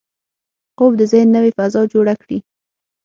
خوب د ذهن نوې فضا جوړه کړي